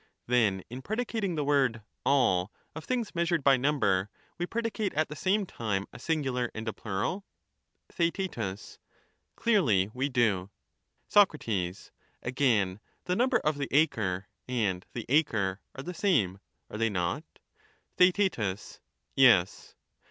Then in predicating the word ' all * of things measured by number, we predicate at the same time a singular and a plural ? Theaet. Clearly we do. Soc. Again, the Yiumber of the acre and the acre are the same ; are they not ? Theaet. Yes.